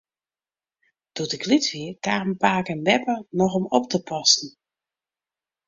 Doe't ik lyts wie, kamen pake en beppe noch om op te passen.